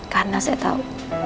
karena saya tahu